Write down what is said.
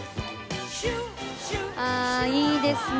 ああーいいですね。